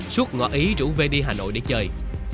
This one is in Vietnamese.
xuất ngỏ ý rủ về đi hà nội để chơi